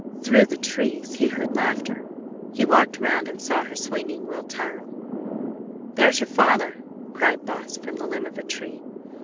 Through the trees he heard laughter. He walked round and saw her swinging Will Tyrrell. "There's your father," cried Boss, from the limb of a tree.